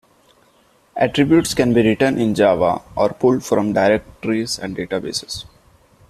Attributes can be written in Java or pulled from directories and databases.